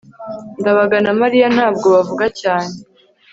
ndabaga na mariya ntabwo bavuga cyane